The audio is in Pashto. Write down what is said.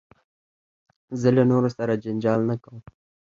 زه له نورو سره جنجال نه کوم.